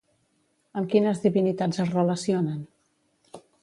Amb quines divinitats es relacionen?